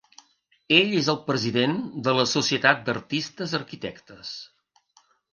Ell és el president de la Societat d'Artistes Arquitectes.